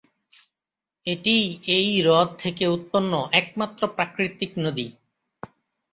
এটিই এই হ্রদ থেকে উৎপন্ন একমাত্র প্রাকৃতিক নদী।